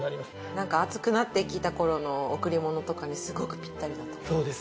なんか暑くなってきた頃の贈り物とかにすごくピッタリだと思います。